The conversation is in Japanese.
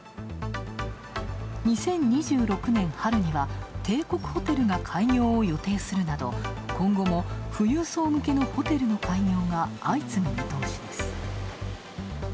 ２０２６年春には帝国ホテルが開業を予定するなど今後も富裕層向けのホテルの開業が相次ぐ見通しです。